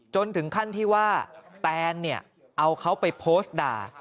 จนถึงขั้นที่ว่าแตนเนี่ยเอาเขาไปโพสต์ด่า